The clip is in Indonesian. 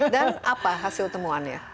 dan apa hasil temuannya